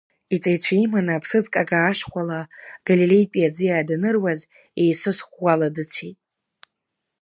Иҵаҩцәа иманы аԥсыӡкыга ашхәала Галилеитәи аӡиа даныруаз, Иисус ӷәӷәала дыцәеит.